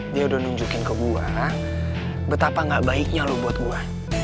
dia udah nunjukin ke gua betapa gak baiknya lo buat gue